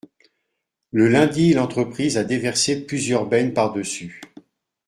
le lundi l’entreprise a déversé plusieurs bennes par-dessus.